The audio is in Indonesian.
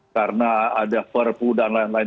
karena ada perpu dan lain lain